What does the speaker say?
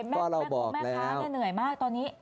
แม้หู้มาร้าแม้เหนื่อยมากตอนนี้